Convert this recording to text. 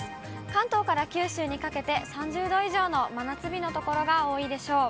関東から九州にかけて、３０度以上の真夏日の所が多いでしょう。